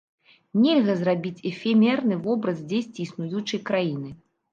Нельга зрабіць эфемерны вобраз дзесьці існуючай краіны.